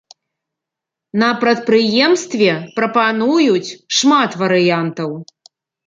На прадпрыемстве прапануюць шмат варыянтаў.